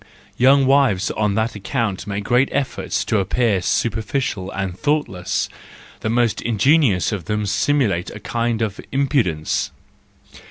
—Young wives on that account make great efforts to appear superficial and thought¬ less ; the most ingenious of them simulate a kind of impudence.